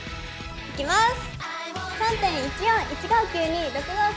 いきます！